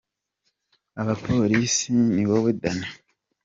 Abapolisi : Ni wowe Danny ?.